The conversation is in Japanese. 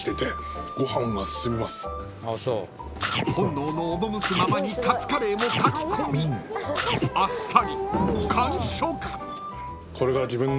［本能の赴くままにカツカレーもかき込みあっさり］